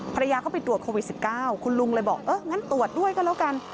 ภรรยาเข้าไปตรวจโควิด๑๙คุณลุงเลยบอกเอองั้นตรวจด้วยก็แล้วกัน